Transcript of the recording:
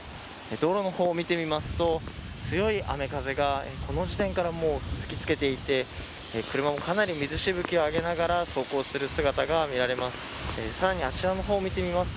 道路の方を見てみますと強い雨風がこの時点からもう吹きつけていて車もかなり水しぶきを上げながら走行する姿が見られます。